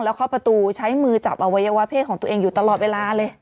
แล้วเข้าประตูใช้มือจับอวัยวะเพศของตัวเองอยู่ตลอดเวลาเลย